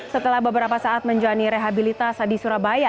setelah beberapa saat menjalani rehabilitas di surabaya